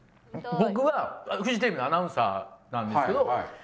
僕はフジテレビのアナウンサーなんですけど。